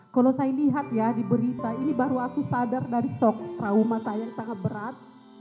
kalau saya lihat ya di berita ini baru aku sadar dari sok trauma saya yang sangat berat